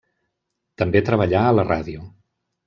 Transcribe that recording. També treballà a la ràdio.